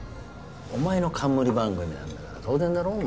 お前の冠番組なんだから当然だろお前。